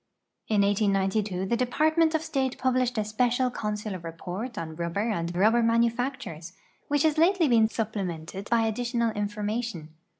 In liSD'i the Department of State puhlished a Spt'cial Consular Rei»ort on ruliher and ruhlicr manufactures, which has lately been su])plemented hy additional information.